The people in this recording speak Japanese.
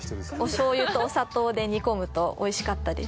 お醤油とお砂糖で煮込むと美味しかったです。